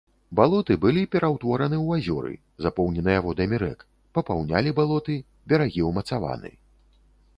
Балоты былі пераўтвораны ў азёры, запоўненыя водамі рэк, папаўнялі балоты, берагі ўмацаваны.